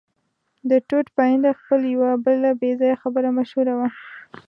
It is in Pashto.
د ټوټ پاینده خېل یوه بله بې ځایه خبره مشهوره وه.